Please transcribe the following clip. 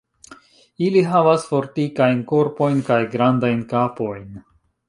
Ili havas fortikajn korpojn kaj grandajn kapojn.